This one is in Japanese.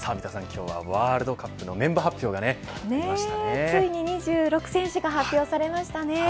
今日はワールドカップのついに２６選手が発表されましたね。